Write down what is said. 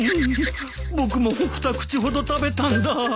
僕も二口ほど食べたんだ。